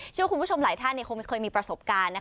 เชื่อว่าคุณผู้ชมหลายท่านคงไม่เคยมีประสบการณ์